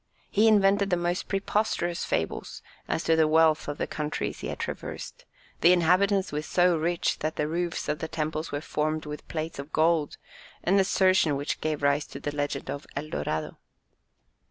He invented the most preposterous fables as to the wealth of the countries he had traversed; the inhabitants were so rich that the roofs of the temples were formed of plates of gold; an assertion which gave rise to the legend of El Dorado.